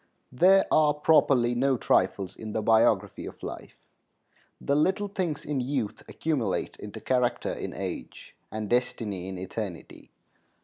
There are properly no trifles in the biography of life. The little things in youth accumulate into character in age and destiny in eternity.